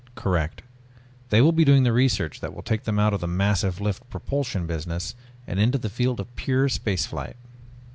"Correct. They will be doing the research that will take them out of the massive lift propulsion business and into the field of pure space flight."